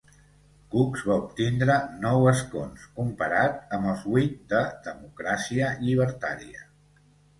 Cucs va obtindre nou escons comparat amb els huit de Democràcia Llibertària.